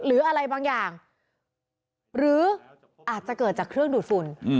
หรืออะไรบางอย่างหรืออาจจะเกิดจากเครื่องดูดฝุ่น